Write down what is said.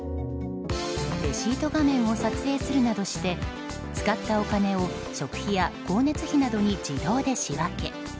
レシート画面を撮影するなどして使ったお金を食費や光熱費などに自動に仕分け。